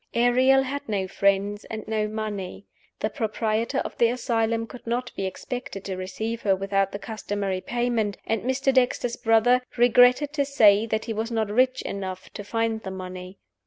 Ariel had no friends and no money. The proprietor of the asylum could not be expected to receive her without the customary payment; and Mr. Dexter's brother "regretted to say that he was not rich enough to find the money."